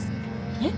えっ？